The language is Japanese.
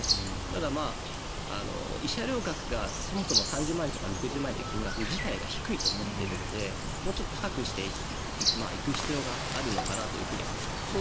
ただ、慰謝料額がそもそも３０万円とか６０万円という金額が低いと思っているのでもうちょっと高くしていく必要があるのかなと思いますね。